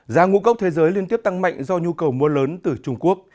giá ngũ cốc thế giới liên tiếp tăng mạnh do nhu cầu mua lớn từ trung quốc